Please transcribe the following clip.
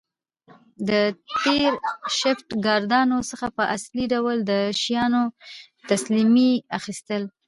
د تېر شفټ ګاردانو څخه په اصولي ډول د شیانو تسلیمي اخیستل